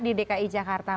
di dki jakarta